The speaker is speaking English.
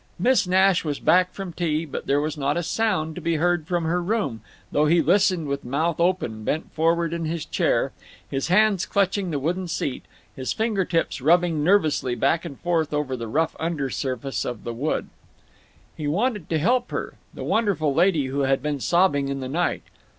Miss Nash was back from tea, but there was not a sound to be heard from her room, though he listened with mouth open, bent forward in his chair, his hands clutching the wooden seat, his finger tips rubbing nervously back and forth over the rough under surface of the wood. He wanted to help her—the wonderful lady who had been sobbing in the night.